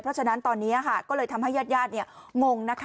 เพราะฉะนั้นตอนนี้ก็เลยทำให้ญาติงงนะคะ